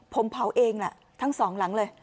อ๋อผมเผาเองล่ะทั้งสองหลังเลย